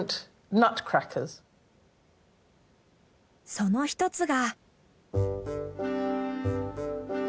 その一つが。